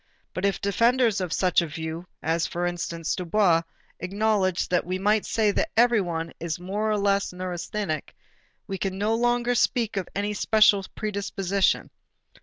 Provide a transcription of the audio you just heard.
But if defenders of such a view, as for instance, Dubois, acknowledge that "we might say that everybody is more or less neurasthenic," we can no longer speak of any special predisposition.